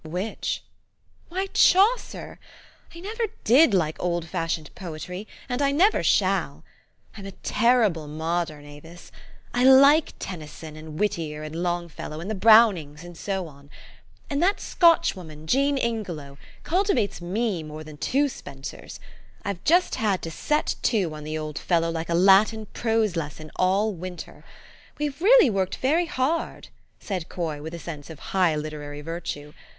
'' "Which?" " Why, Chaucer ! I never did like old fashioned poetry, and I never shall. I'm a terrible modern, Avis. I like Tennyson and Whittier and Long fellow, and the Brownings, and so on. And that Scotchwoman, Jean Ingelow, cultivates me more than two Spensers. I've just had to set to on the old fellow like a Latin prose lesson all winter. We've really worked very hard," said Coy, with a sense of high literary virtue.